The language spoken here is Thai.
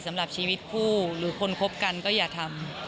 สำหรับชีวิตคู่หรือคนคบกันก็อย่าทำ